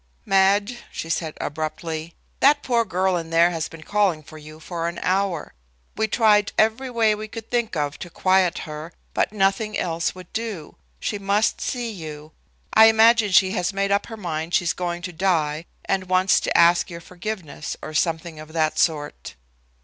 "Madge," she said abruptly, "that poor girl in there has been calling for you for an hour. We tried every way we could think of to quiet her, but nothing else would do. She must see you. I imagine she has made up her mind she's going to die and wants to ask your forgiveness or something of that sort."